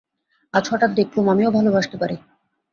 আজ হঠাৎ দেখলুম, আমিও ভালোবাসতে পারি।